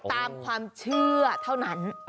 ตามความเชื่อเท่านั้น